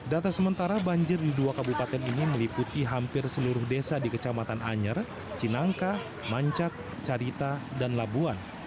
data sementara banjir di dua kabupaten ini meliputi hampir seluruh desa di kecamatan anyer cinangka mancak carita dan labuan